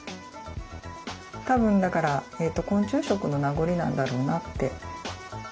多分だから昆虫食の名残なんだろうなって。